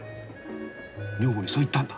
女房にそう言ったんだ。